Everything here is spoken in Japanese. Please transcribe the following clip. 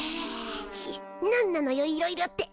チッなんなのよいろいろって。